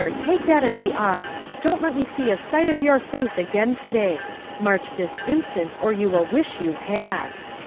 take that and be off. Don't let me see a sight of your face again to day. March this instant, or you will wish you had!"